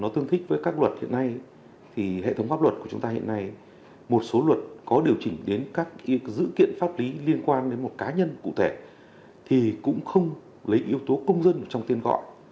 thì hệ thống pháp luật của chúng ta hiện nay một số luật có điều chỉnh đến các dự kiện pháp lý liên quan đến một cá nhân cụ thể thì cũng không lấy yếu tố công dân trong tên gọi